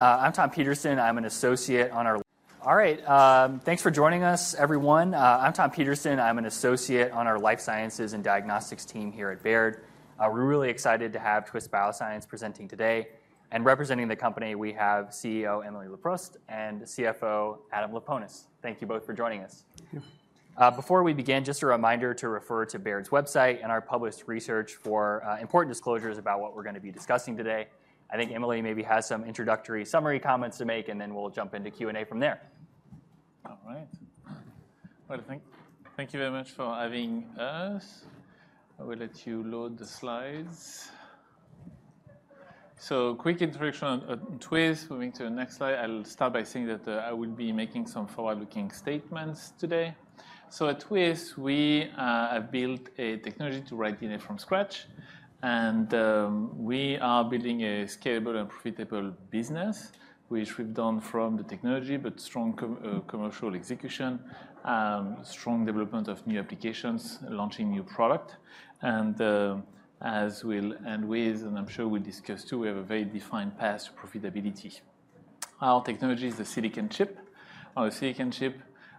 Thanks for joining us, everyone. I'm Tom Peterson. I'm an associate on our life sciences and diagnostics team here at Baird. We're really excited to have Twist Bioscience presenting today, and representing the company, we have CEO Emily Leproust and CFO Adam Laponis. Thank you both for joining us. Thank you. Before we begin, just a reminder to refer to Baird's website and our published research for important disclosures about what we're gonna be discussing today. I think Emily maybe has some introductory summary comments to make, and then we'll jump into Q&A from there. All right. Well, thank you very much for having us. I will let you load the slides. So quick introduction on Twist, moving to the next slide. I'll start by saying that, I will be making some forward-looking statements today. So at Twist, we have built a technology to write DNA from scratch, and, we are building a scalable and profitable business, which we've done from the technology, but strong commercial execution, strong development of new applications, launching new product. And, as we'll end with, and I'm sure we'll discuss, too, we have a very defined path to profitability. Our technology is the silicon chip. Our silicon chip,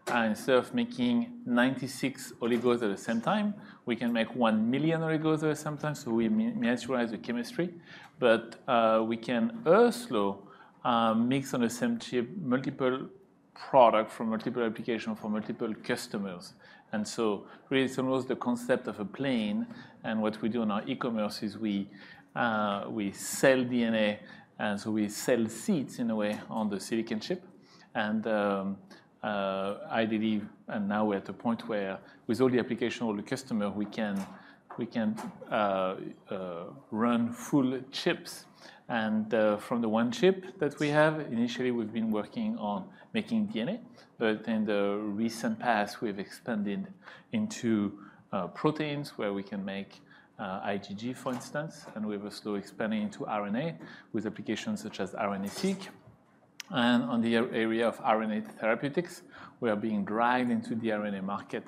instead of making 96 oligos at the same time, we can make 1,000,000 oligos at the same time, so we miniaturize the chemistry. But we can also mix on the same chip multiple products from multiple applications for multiple customers. And so really, it's almost the concept of a plane, and what we do in our e-commerce is we sell DNA, and so we sell seats, in a way, on the silicon chip. And now we're at a point where with all the applications, all the customers, we can run full chips. And from the one chip that we have, initially, we've been working on making DNA, but in the recent past, we've expanded into proteins where we can make IgG, for instance, and we were slowly expanding into RNA, with applications such as RNA-Seq. And on the area of RNA therapeutics, we are being driven into the RNA market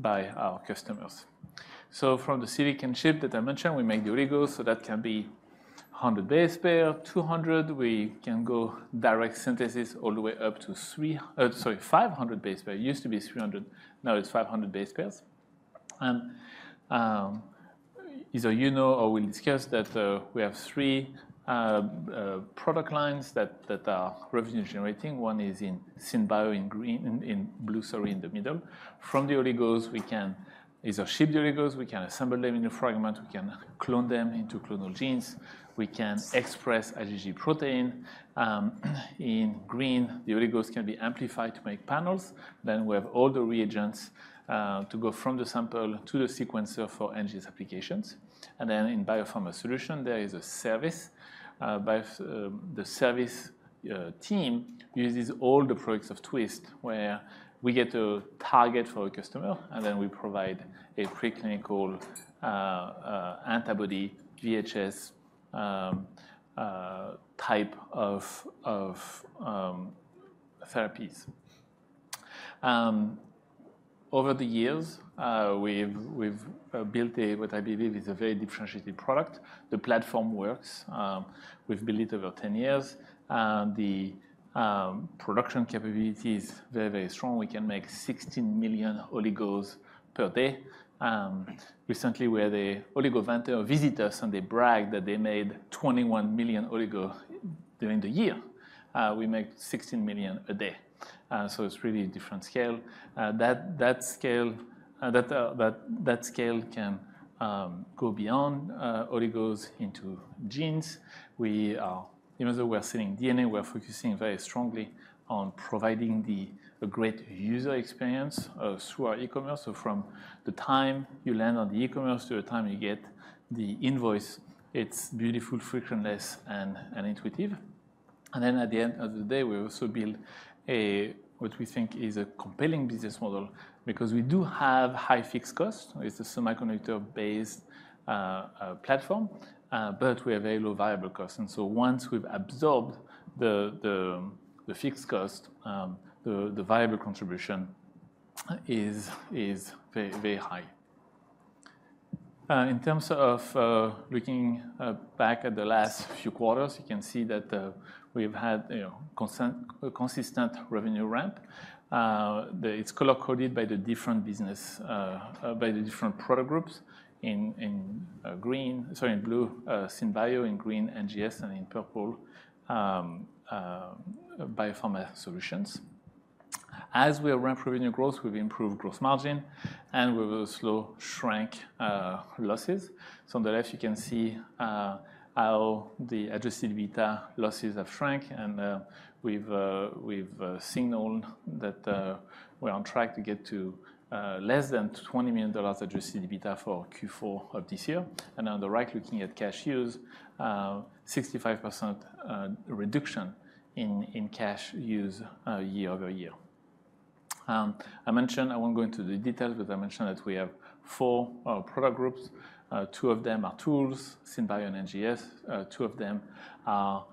by our customers. From the silicon chip that I mentioned, we make the oligos, so that can be 100 base pair, 200. We can go direct synthesis all the way up to three, sorry, 500 base pair. It used to be 300, now it's 500 base pairs. And either you know or we'll discuss that, we have three product lines that are revenue generating. One is in SynBio in green, in blue, sorry, in the middle. From the oligos, we can either ship the oligos, we can assemble them in a fragment, we can clone them into clonal genes, we can express IgG protein. In green, the oligos can be amplified to make panels. Then we have all the reagents to go from the sample to the sequencer for NGS applications. And then in Biopharma Solutions, there is a service. The service team uses all the products of Twist, where we get to target for a customer, and then we provide a preclinical antibody, VHHs, type of therapies. Over the years, we've built a what I believe is a very differentiated product. The platform works. We've built it over ten years, and the production capability is very, very strong. We can make 16,000,000 oligos per day. Recently, where the oligo vendor visit us, and they brag that they made 21,000,000 oligo during the year. We make 16,000,000 a day. So it's really a different scale. That scale can go beyond oligos into genes. Even though we are selling DNA, we are focusing very strongly on providing a great user experience through our e-commerce. So from the time you land on the e-commerce to the time you get the invoice, it's beautiful, frictionless, and intuitive. And then at the end of the day, we also build what we think is a compelling business model because we do have high fixed cost. It's a semiconductor-based platform, but we have very low variable cost. And so once we've absorbed the fixed cost, the variable contribution is very, very high. In terms of looking back at the last few quarters, you can see that we've had, you know, consistent revenue ramp. It's color-coded by the different business by the different product groups. In blue, SynBio, in green, NGS, and in purple, Biopharma Solutions. As we ramp revenue growth, we've improved gross margin, and we will slowly shrink losses. So on the left, you can see how the adjusted EBITDA losses have shrunk, and we've signaled that we're on track to get to less than $20 million adjusted EBITDA for Q4 of this year. And on the right, looking at cash use, 65% reduction in cash use year over year. I mentioned. I won't go into the details, but I mentioned that we have four product groups. Two of them are tools, SynBio and NGS. Two of them are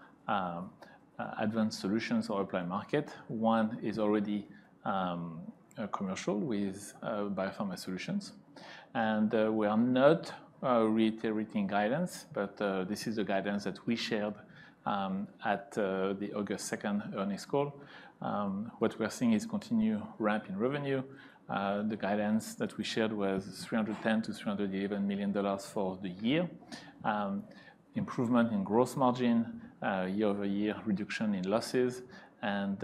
advanced solutions or applied market. One is already commercial with Biopharma Solutions. We are not reiterating guidance, but this is the guidance that we shared at the August second earnings call. What we are seeing is continued ramp in revenue. The guidance that we shared was $310 million-$311 million for the year. Improvement in gross margin, year-over-year reduction in losses, and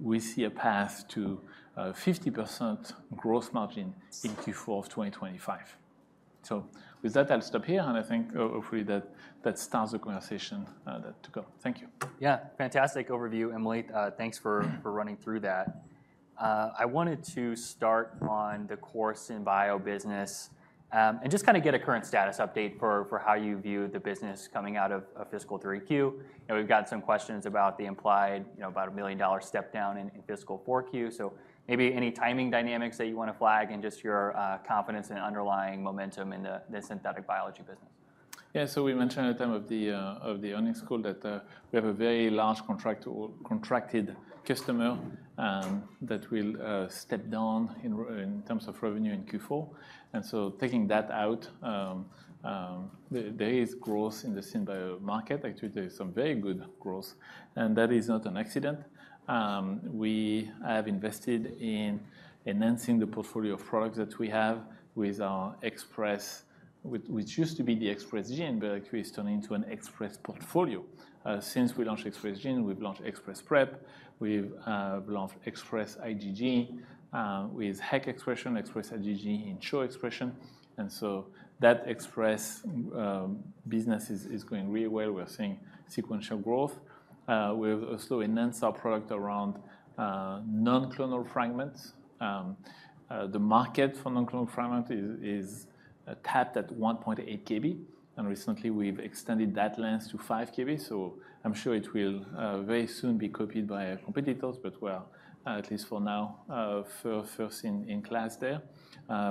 we see a path to 50% gross margin in Q4 of 2025. So with that, I'll stop here, and I think hopefully that starts the conversation that to go. Thank you. Yeah, fantastic overview, Emily. Thanks for running through that. I wanted to start on the core SynBio business, and just kinda get a current status update for how you view the business coming out of fiscal 3Q, and we've got some questions about the implied, you know, about a $1 million step down in fiscal 4Q. So maybe any timing dynamics that you wanna flag, and just your confidence in underlying momentum in the synthetic biology business. Yeah. So we mentioned at the time of the earnings call, that we have a very large contract or contracted customer, that will step down in terms of revenue in Q4, and so taking that out, there is growth in the SynBio market. Actually, there is some very good growth, and that is not an accident. We have invested in enhancing the portfolio of products that we have with our Express, which used to be the Express Genes, but actually is turning into an Express portfolio. Since we launched Express Genes, we've launched Express Prep, we've launched Express IgG, with HEK expression, Express IgG, and CHO expression. And so that Express business is going really well. We're seeing sequential growth. We've also enhanced our product around non-clonal fragments. The market for non-clonal fragment is capped at 1.8 KB, and recently we've extended that length to 5 KB. So I'm sure it will very soon be copied by our competitors, but we are at least for now first in class there.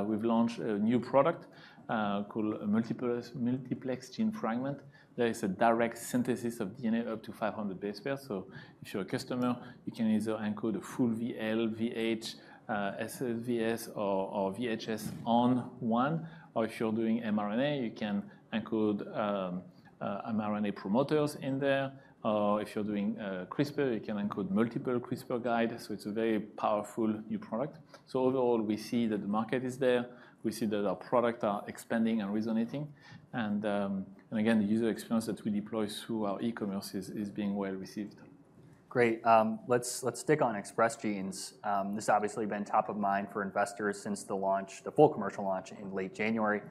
We've launched a new product called Multiplex Gene Fragment. There is a direct synthesis of DNA up to 500 base pairs. So if you're a customer, you can either encode a full VLVH, scFvs or VHHs on one, or if you're doing mRNA, you can encode mRNA promoters in there, or if you're doing CRISPR, you can encode multiple CRISPR guide. So it's a very powerful new product. So overall, we see that the market is there. We see that our products are expanding and resonating, and again, the user experience that we deploy through our e-commerce is being well received. Great. Let's stick on Express Genes. This obviously been top of mind for investors since the launch, the full commercial launch in late January.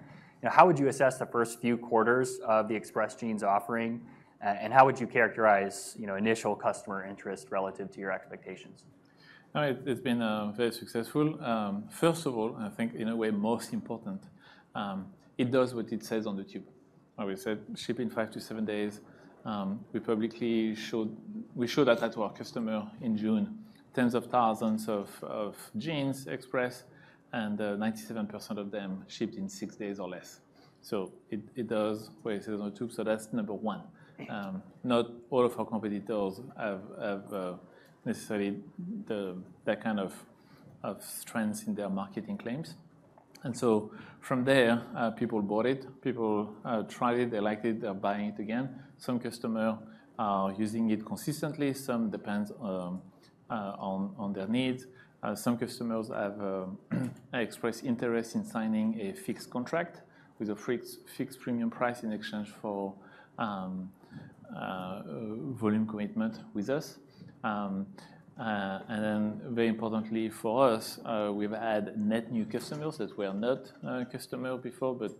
How would you assess the first few quarters of the Express Genes offering, and how would you characterize, you know, initial customer interest relative to your expectations? It's been very successful. First of all, I think in a way, most important, it does what it says on the tube. I will say, ship in five to seven days. We publicly showed that to our customer in June. Tens of thousands of genes expressed, and 97% of them shipped in six days or less. So it does what it says on tube, so that's number one. Not all of our competitors have necessarily that kind of strengths in their marketing claims. And so from there, people bought it, people tried it, they liked it, they are buying it again. Some customer are using it consistently, some depends on their needs. Some customers have expressed interest in signing a fixed contract with a fixed premium price in exchange for volume commitment with us. And then very importantly for us, we've had net new customers that were not our customer before, but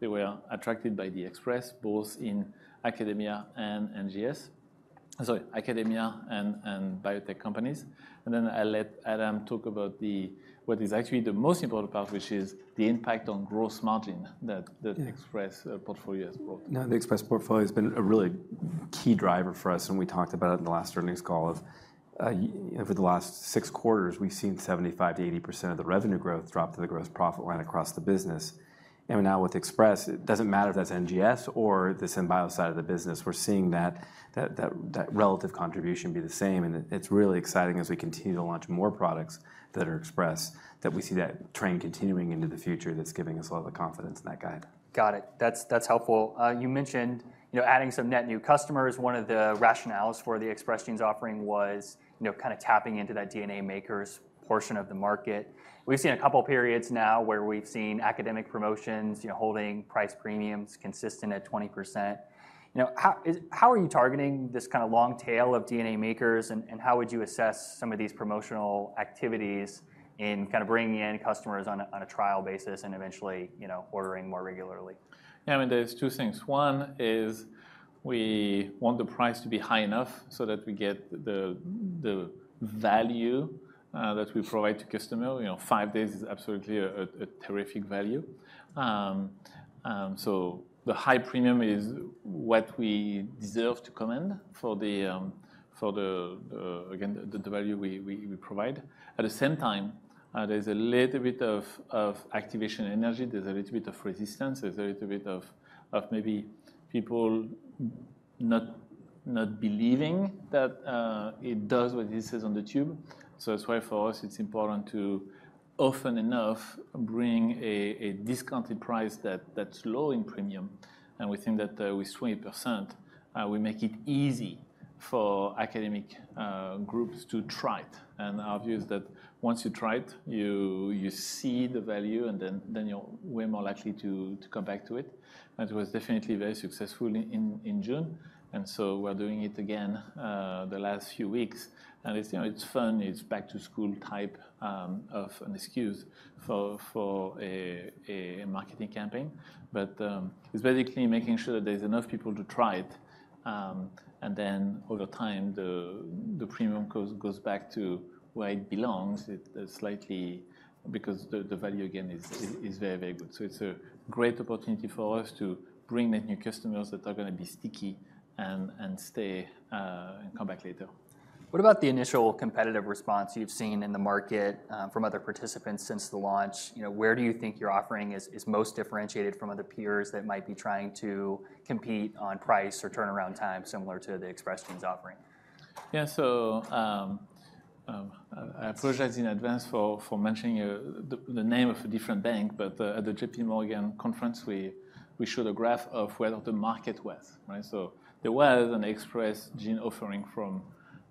they were attracted by the Express, both in academia and NGS. Sorry, academia and biotech companies. And then I'll let Adam talk about the what is actually the most important part, which is the impact on gross margin that- Yeah - The Express portfolio has brought. Now, the Express portfolio has been a really key driver for us, and we talked about it in the last earnings call. Over the last six quarters, we've seen 75%-80% of the revenue growth drop to the gross profit line across the business, and now with Express, it doesn't matter if that's NGS or the SynBio side of the business. We're seeing that relative contribution be the same, and it's really exciting as we continue to launch more products that are Express, that we see that trend continuing into the future. That's giving us a lot of confidence in that guide. Got it. That's helpful. You mentioned, you know, adding some net new customers. One of the rationales for the Express Genes offering was, you know, kind of tapping into that DNA makers portion of the market. We've seen a couple of periods now where we've seen academic promotions, you know, holding price premiums consistent at 20%. You know, how are you targeting this kind of long tail of DNA makers, and how would you assess some of these promotional activities in kind of bringing in customers on a trial basis and eventually, you know, ordering more regularly? I mean, there's two things. One is we want the price to be high enough so that we get the value that we provide to customer. You know, five days is absolutely a terrific value. So the high premium is what we deserve to command for the, again, the value we provide. At the same time, there's a little bit of activation energy, there's a little bit of resistance, there's a little bit of maybe people not believing that it does what it says on the tube. So that's why for us, it's important to often enough bring a discounted price that's low in premium, and we think that with 20% we make it easy for academic groups to try it. And our view is that once you try it, you see the value, and then you're way more likely to come back to it. And it was definitely very successful in June, and so we're doing it again the last few weeks. And it's, you know, it's fun. It's back to school type of an excuse for a marketing campaign. But it's basically making sure that there's enough people to try it, and then over time, the premium goes back to where it belongs. It slightly because the value again is very good. So it's a great opportunity for us to bring the new customers that are gonna be sticky and stay, and come back later. What about the initial competitive response you've seen in the market from other participants since the launch? You know, where do you think your offering is most differentiated from other peers that might be trying to compete on price or turnaround time, similar to the Express Genes offering? Yeah. So, I apologize in advance for mentioning the name of a different bank, but at the JPMorgan conference, we showed a graph of where the market was, right? So there was an Express Genes offering from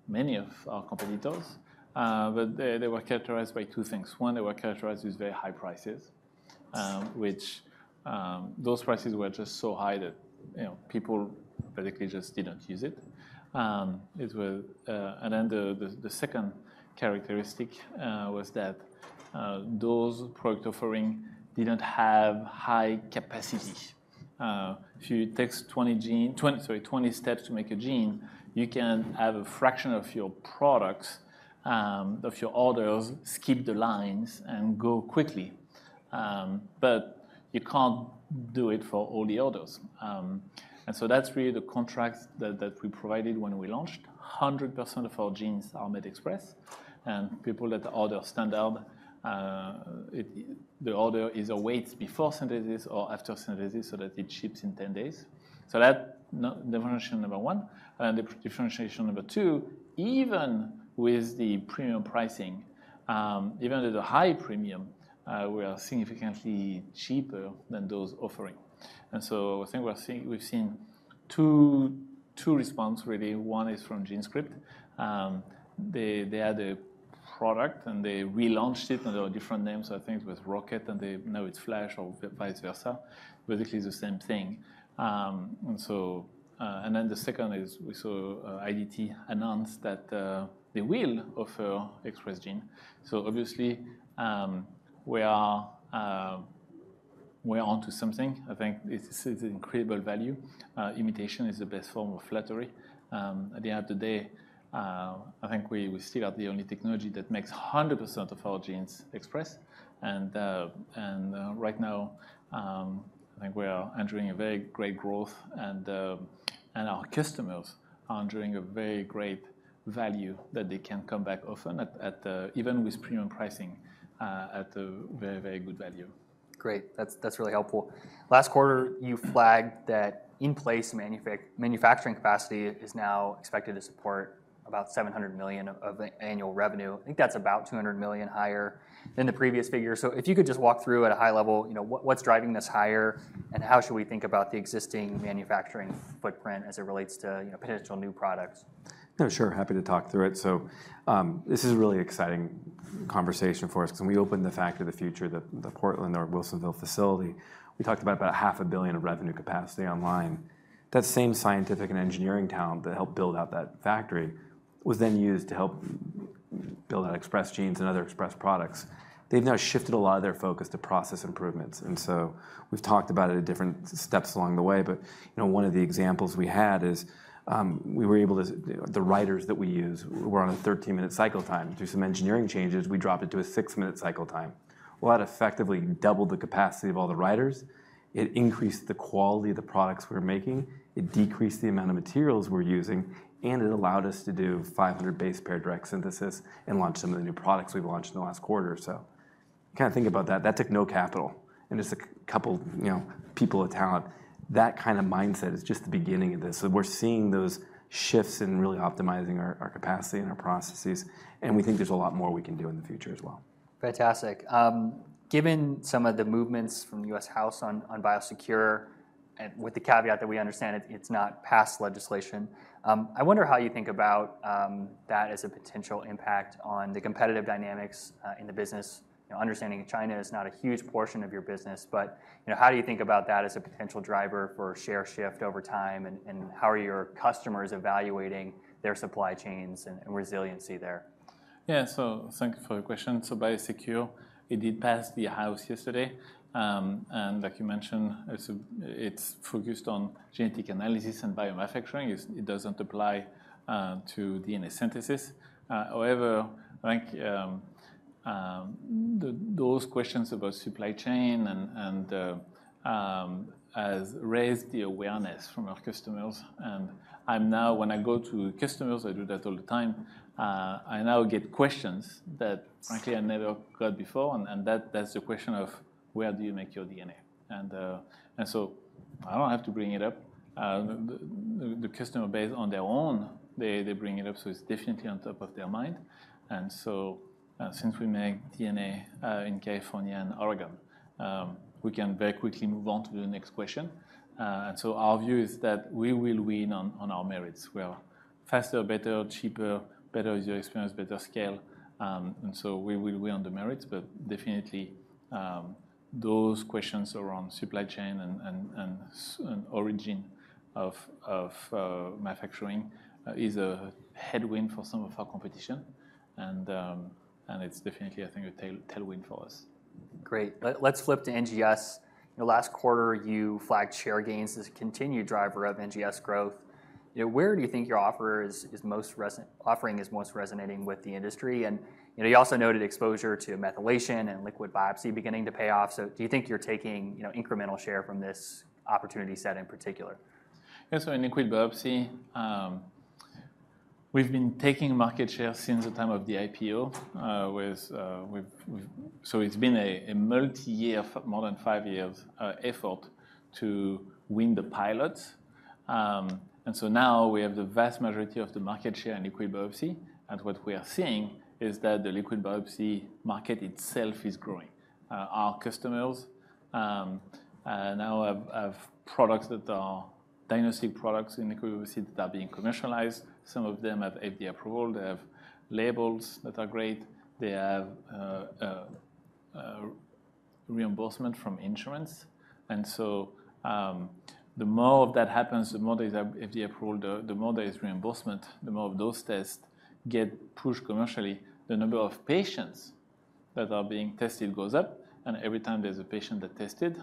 many of our competitors, but they were characterized by two things. One, they were characterized with very high prices, which those prices were just so high that, you know, people basically just didn't use it. It was. And then the second characteristic was that those product offering didn't have high capacity. If it takes twenty steps to make a gene, you can have a fraction of your products of your orders skip the lines and go quickly. But you can't do it for all the orders. That's really the context that we provided when we launched. 100% of our genes are made Express, and people that order standard, the order is a wait before synthesis or after synthesis so that it ships in 10 days. That's differentiation number one. Differentiation number two, even with the premium pricing, even at a high premium, we are significantly cheaper than those offerings. I think we're seeing. We've seen two responses really. One is from GenScript. They had a product, and they relaunched it under a different name. I think it was Rocket, and now it's Flash or vice versa, basically the same thing. Then the second is we saw IDT announce that they will offer Express Genes. So obviously, we are, we're onto something. I think it's an incredible value. Imitation is the best form of flattery. At the end of the day, I think we still have the only technology that makes 100% of our genes express. And right now, I think we are entering a very great growth and our customers are enjoying a very great value that they can come back often at, even with premium pricing, at a very, very good value. Great. That's really helpful. Last quarter, you flagged that in-place manufacturing capacity is now expected to support about $700 million of annual revenue. I think that's about $200 million higher than the previous figure. So if you could just walk through at a high level, you know, what's driving this higher, and how should we think about the existing manufacturing footprint as it relates to, you know, potential new products? Yeah, sure. Happy to talk through it. So, this is a really exciting conversation for us 'cause when we opened the Factory of the Future, the Portland, OR, Wilsonville facility, we talked about about $500,000,000 of revenue capacity online. That same scientific and engineering talent that helped build out that factory was then used to help build out Express Genes and other Express products. They've now shifted a lot of their focus to process improvements, and so we've talked about it at different steps along the way, but you know, one of the examples we had is we were able to the writers that we use were on a 13-minute cycle time. Through some engineering changes, we dropped it to a six-minute cycle time. That effectively doubled the capacity of all the writers, it increased the quality of the products we're making, it decreased the amount of materials we're using, and it allowed us to do 500 base pair direct synthesis and launch some of the new products we've launched in the last quarter or so. Kind of think about that. That took no capital, and just a couple, you know, people of talent. That kind of mindset is just the beginning of this. So we're seeing those shifts and really optimizing our capacity and our processes, and we think there's a lot more we can do in the future as well. Fantastic. Given some of the movements from the U.S. House on BIOSECURE, and with the caveat that we understand it's not passed legislation, I wonder how you think about that as a potential impact on the competitive dynamics in the business. You know, understanding that China is not a huge portion of your business, but you know, how do you think about that as a potential driver for share shift over time, and how are your customers evaluating their supply chains and resiliency there? Yeah. So thank you for your question. So BIOSECURE, it did pass the House yesterday. And like you mentioned, so it's focused on genetic analysis and biomanufacturing. It's, it doesn't apply to DNA synthesis. However, I think the questions about supply chain has raised the awareness from our customers. And I'm now, when I go to customers, I do that all the time, I now get questions that frankly, I never got before, and that's the question of: where do you make your DNA? And I don't have to bring it up. The customer base on their own, they bring it up, so it's definitely on top of their mind. Since we make DNA in California and Oregon, we can very quickly move on to the next question. Our view is that we will win on our merits. We are faster, better, cheaper, better user experience, better scale, and so we will win on the merits, but definitely, those questions around supply chain and origin of manufacturing is a headwind for some of our competition, and it's definitely, I think, a tailwind for us. Great. Let's flip to NGS. You know, last quarter, you flagged share gains as a continued driver of NGS growth. You know, where do you think your offering is most resonating with the industry? And, you know, you also noted exposure to methylation and liquid biopsy beginning to pay off. So do you think you're taking, you know, incremental share from this opportunity set in particular? Yeah, so in liquid biopsy, we've been taking market share since the time of the IPO, so it's been a multi-year, more than five years, effort to win the pilots. And so now we have the vast majority of the market share in liquid biopsy, and what we are seeing is that the liquid biopsy market itself is growing. Our customers now have products that are diagnostic products in liquid biopsy that are being commercialized. Some of them have FDA approval, they have labels that are great, they have reimbursement from insurance. And so, the more of that happens, the more there is FDA approval, the more there is reimbursement, the more of those tests get pushed commercially, the number of patients that are being tested goes up, and every time there's a patient that tested,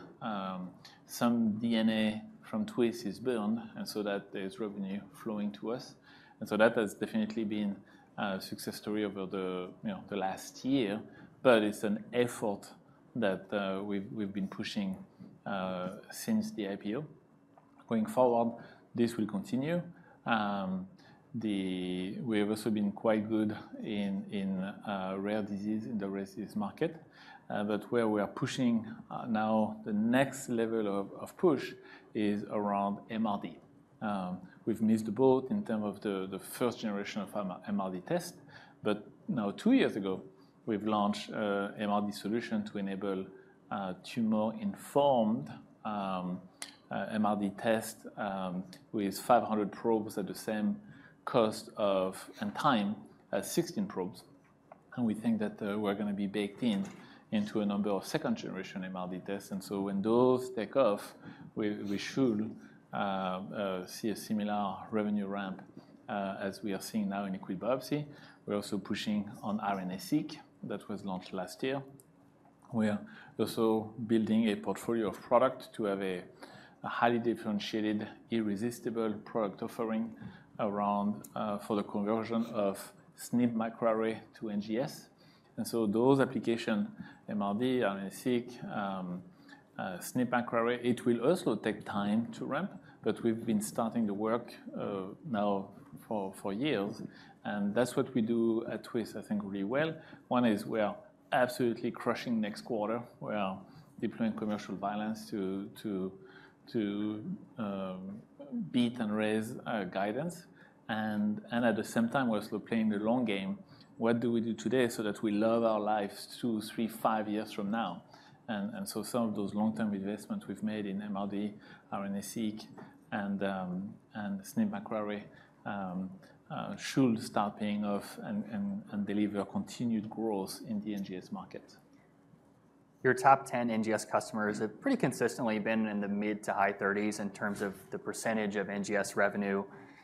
some DNA from Twist is burned, and so that there's revenue flowing to us. And so that has definitely been a success story over the, you know, the last year, but it's an effort that we've been pushing since the IPO. Going forward, this will continue. We have also been quite good in rare disease, in the rare disease market, but where we are pushing now, the next level of push is around MRD. We've missed the boat in terms of the first generation of MRD test, but now, two years ago, we've launched a MRD solution to enable tumor-informed MRD test with 500 probes at the same cost and time as 16 probes, and we think that we're gonna be baked into a number of second-generation MRD tests, and so when those take off, we should see a similar revenue ramp as we are seeing now in liquid biopsy. We're also pushing on RNA-Seq, that was launched last year. We are also building a portfolio of product to have a highly differentiated, irresistible product offering around for the conversion of SNP microarray to NGS. Those applications, MRD, RNA-Seq, SNP microarray, it will also take time to ramp, but we've been starting the work now for years, and that's what we do at Twist, I think, really well. One is we are absolutely crushing next quarter. We are deploying commercial velocity to beat and raise guidance, and at the same time, we're still playing the long game. What do we do today so that we love our lives two, three, five years from now? Some of those long-term investments we've made in MRD, RNA-Seq, and SNP microarray should start paying off and deliver continued growth in the NGS market. Your top ten NGS customers have pretty consistently been in the mid- to high 30s in terms of the percentage of NGS revenue.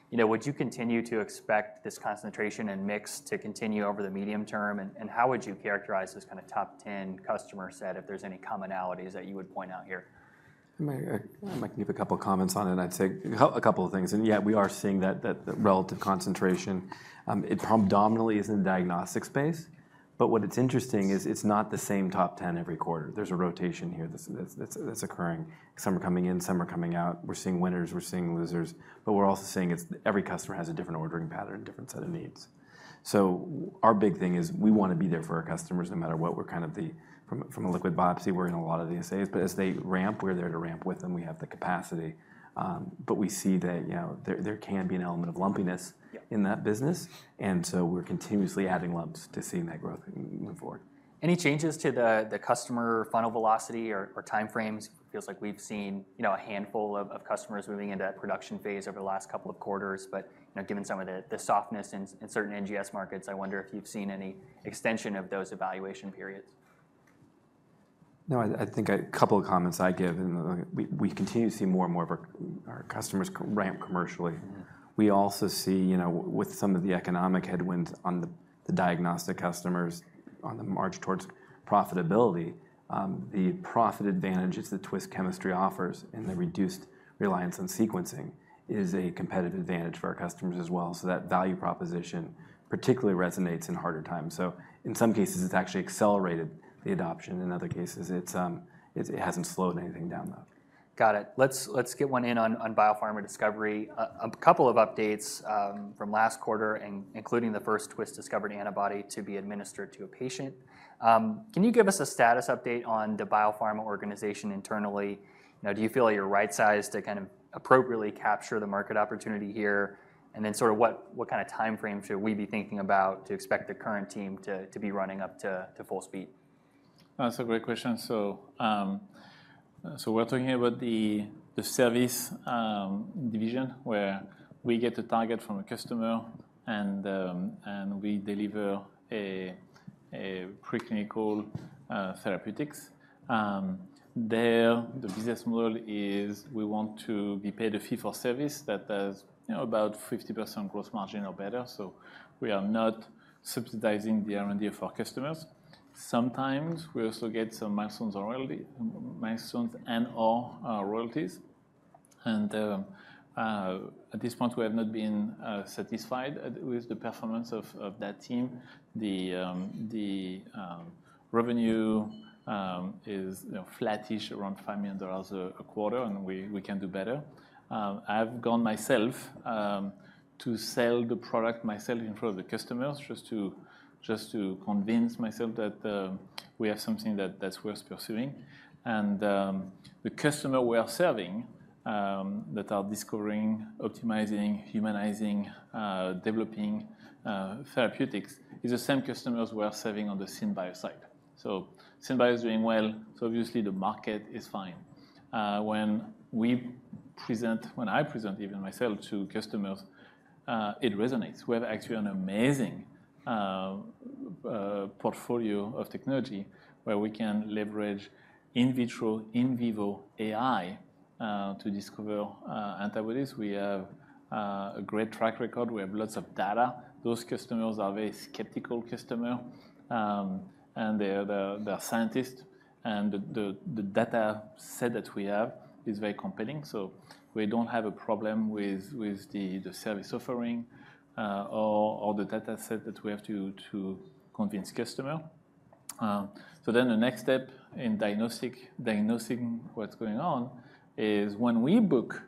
You know, would you continue to expect this concentration and mix to continue over the medium term, and how would you characterize this kind of top ten customer set, if there's any commonalities that you would point out here? I might give a couple comments on it, and I'd say a couple of things. Yeah, we are seeing that relative concentration. It predominantly is in the diagnostic space, but what it's interesting is it's not the same top ten every quarter. There's a rotation here that's occurring. Some are coming in, some are coming out. We're seeing winners, we're seeing losers, but we're also seeing it's every customer has a different ordering pattern, different set of needs. So our big thing is we wanna be there for our customers no matter what. We're kind of the from a liquid biopsy, we're in a lot of the assays, but as they ramp, we're there to ramp with them. We have the capacity, but we see that, you know, there can be an element of lumpiness. Yeah ... in that business, and so we're continuously adding ramps to scaling that growth move forward. Any changes to the customer funnel velocity or time frames? Feels like we've seen, you know, a handful of customers moving into that production phase over the last couple of quarters, but, you know, given some of the softness in certain NGS markets, I wonder if you've seen any extension of those evaluation periods. No, I think a couple of comments I'd give, and we continue to see more and more of our customers ramp commercially. Mm. We also see, you know, with some of the economic headwinds on the diagnostic customers on the march towards profitability, the profit advantages that Twist chemistry offers and the reduced reliance on sequencing is a competitive advantage for our customers as well. So that value proposition particularly resonates in harder times. So in some cases, it's actually accelerated the adoption. In other cases, it hasn't slowed anything down, though.... Got it. Let's get one in on Biopharma discovery. A couple of updates from last quarter, including the first Twist discovery antibody to be administered to a patient. Can you give us a status update on the Biopharma organization internally? Do you feel you're right sized to kind of appropriately capture the market opportunity here? And then sort of what kind of time frame should we be thinking about to expect the current team to be running up to full speed? That's a great question. So we're talking about the service division, where we get a target from a customer, and we deliver a preclinical therapeutics. The business model is we want to be paid a fee for service that has, you know, about 50% gross margin or better. So we are not subsidizing the R&D of our customers. Sometimes we also get some milestones or royalty, milestones and/or royalties. And at this point, we have not been satisfied with the performance of that team. The revenue is, you know, flattish around $5 million a quarter, and we can do better. I've gone myself to sell the product myself in front of the customers, just to convince myself that we have something that's worth pursuing. The customer we are serving that are discovering, optimizing, humanizing, developing therapeutics is the same customers we are serving on the SynBio side. SynBio is doing well, so obviously the market is fine. When I present even myself to customers, it resonates. We have actually an amazing portfolio of technology, where we can leverage in vitro, in vivo AI to discover antibodies. We have a great track record. We have lots of data. Those customers are very skeptical customer, and they're scientists, and the data set that we have is very compelling. So we don't have a problem with the service offering or the data set that we have to convince customer. So then the next step in diagnosing what's going on is when we book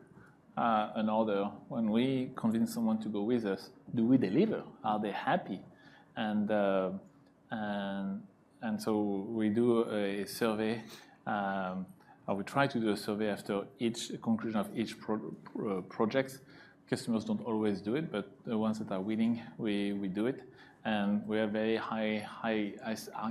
an order, when we convince someone to go with us, do we deliver? Are they happy? And so we do a survey. Or we try to do a survey after each conclusion of each project. Customers don't always do it, but the ones that are winning, we do it, and we have very high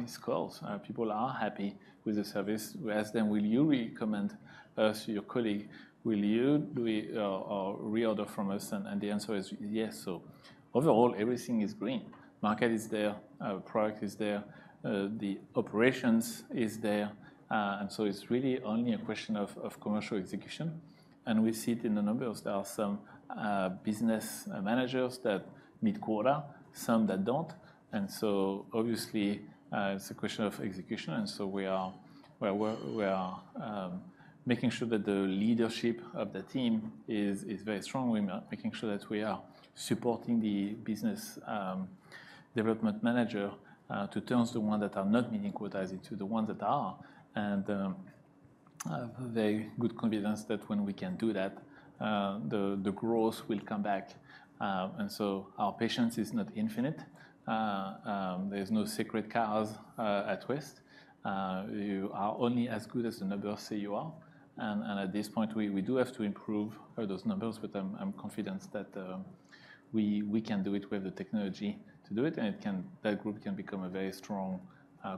scores. People are happy with the service. We ask them: Will you recommend us to your colleague? Will you do a reorder from us? And the answer is yes. So overall, everything is green. The market is there, product is there, the operations is there, and so it's really only a question of commercial execution, and we see it in the numbers. There are some business managers that meet quota, some that don't. So obviously, it's a question of execution, and so we are making sure that the leadership of the team is very strong. We are making sure that we are supporting the business development manager to turn the ones that are not meeting quota into the ones that are. I have very good confidence that when we can do that, the growth will come back. So our patience is not infinite. There's no sacred cows at Twist.You are only as good as the numbers say you are, and at this point, we do have to improve those numbers, but I'm confident that we can do it. We have the technology to do it, and that group can become a very strong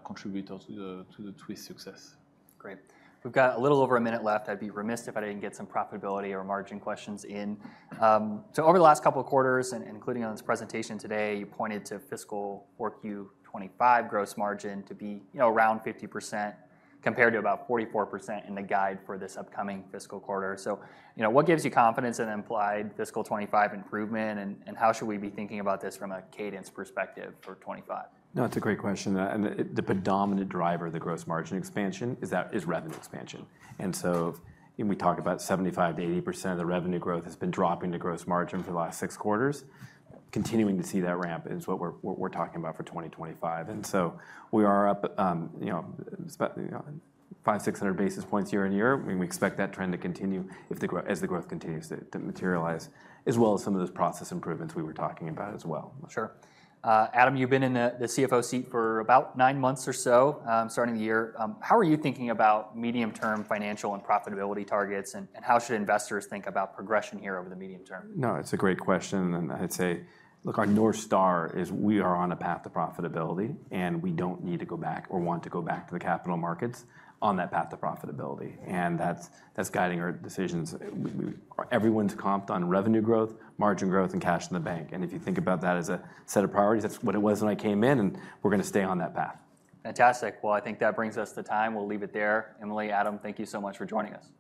contributor to the Twist success. Great. We've got a little over a minute left. I'd be remiss if I didn't get some profitability or margin questions in. So over the last couple of quarters, and including on this presentation today, you pointed to fiscal 4Q 2025 gross margin to be, you know, around 50%, compared to about 44% in the guide for this upcoming fiscal quarter. So, you know, what gives you confidence in an implied fiscal 2025 improvement, and how should we be thinking about this from a cadence perspective for 2025? No, it's a great question, and the predominant driver of the gross margin expansion is that, is revenue expansion. And so when we talk about 75%-80% of the revenue growth has been dropping the gross margin for the last six quarters, continuing to see that ramp is what we're talking about for 2025. And so we are up, you know, expect 500-600 basis points year on year. We expect that trend to continue if the growth, as the growth continues to materialize, as well as some of those process improvements we were talking about as well. Sure. Adam, you've been in the CFO seat for about nine months or so, starting the year. How are you thinking about medium-term financial and profitability targets, and how should investors think about progression here over the medium term? No, it's a great question, and I'd say, look, our North Star is we are on a path to profitability, and we don't need to go back or want to go back to the capital markets on that path to profitability. And that's guiding our decisions. Everyone's comped on revenue growth, margin growth, and cash in the bank. And if you think about that as a set of priorities, that's what it was when I came in, and we're gonna stay on that path. Fantastic. Well, I think that brings us to time. We'll leave it there. Emily, Adam, thank you so much for joining us.